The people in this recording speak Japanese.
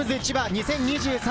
２０２３。